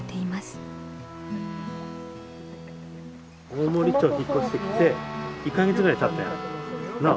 大森町引っ越してきて１か月ぐらいたったよ。なあ？